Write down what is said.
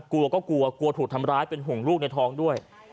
กลัวก็กลัวกลัวถูกทำร้ายเป็นห่วงลูกในท้องด้วย